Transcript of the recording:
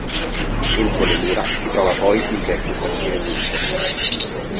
Entro le mura si trova poi il vecchio quartiere turco.